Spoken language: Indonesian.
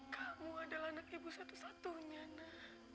kamu adalah anak ibu satu satunya nak